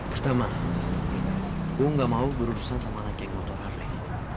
pertama gue gak mau berurusan sama anak geng motor harley